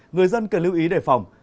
người dân cần lưu ý đề phòng